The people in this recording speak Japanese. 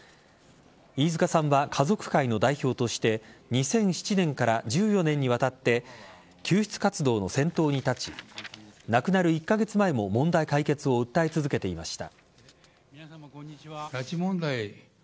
飯塚さんは家族会の代表として２００７年から１４年にわたって救出活動の先頭に立ち亡くなる１カ月前も問題解決を訴え続けていました。